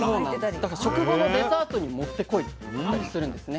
だから食後のデザートにもってこいだったりするんですね。